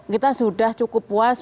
kita sudah cukup puas